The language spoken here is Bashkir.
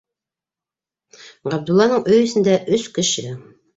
Ғабдулланың өй эсендә өс кеше.